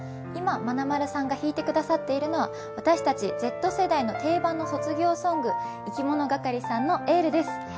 今まなまるさんが弾いてくださっているのは私たちＺ世代の定番の卒業ソング、いきものがかりさんの「ＹＥＬＬ」です。